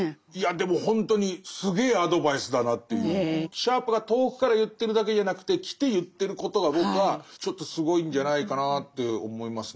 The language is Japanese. シャープが遠くから言ってるだけじゃなくて来て言ってることが僕はちょっとすごいんじゃないかなって思いますね。